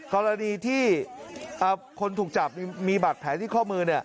กรณีที่คนถูกจับมีบาดแผลที่ข้อมือ